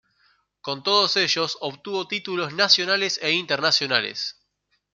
Con todos ellos obtuvo títulos nacionales e internacionales.